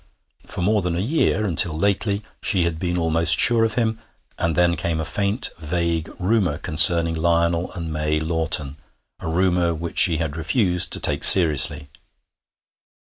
For more than a year, until lately, she had been almost sure of him, and then came a faint vague rumour concerning Lionel and May Lawton, a rumour which she had refused to take seriously.